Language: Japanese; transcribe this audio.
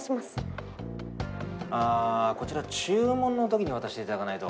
こちら注文のときに渡していただかないと。